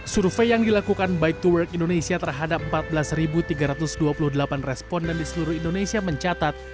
survei yang dilakukan bike to work indonesia terhadap empat belas tiga ratus dua puluh delapan responden di seluruh indonesia mencatat